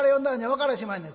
分からしまへんねん」。